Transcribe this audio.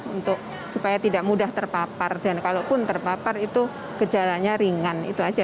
untuk supaya tidak mudah terpapar dan kalaupun terpapar itu gejalanya ringan itu aja